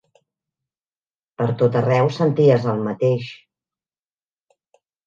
Pertot arreu senties el mateix